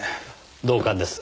同感です。